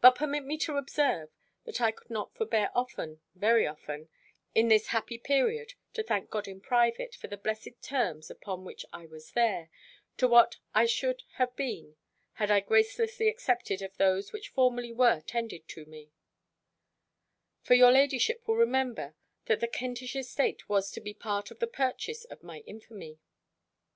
But permit me to observe, that I could not forbear often, very often, in this happy period, to thank God in private, for the blessed terms upon which I was there, to what I should have been, had I gracelessly accepted of those which formerly were tendered to me; for your ladyship will remember, that the Kentish estate was to be part of the purchase of my infamy.